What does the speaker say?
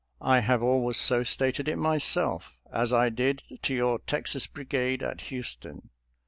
I have always so stated it myself, as I did to your Texas Brigade at Houston.